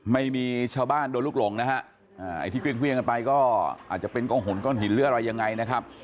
ไม่มีชาวบ้านโดนลูกหลงนะฮะไอ้ที่เครื่องกันไปก็อาจจะเป็นกองหนก้อนหินหรืออะไรยังไงนะครับ